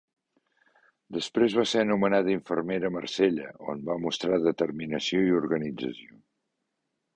Després va ser nomenada infermera a Marsella, on va mostrar determinació i organització.